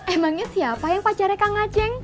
emangnya siapa yang pacarnya kang aceng